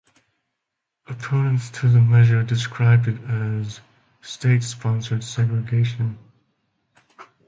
Opponents to the measure described it as "state-sponsored segregation".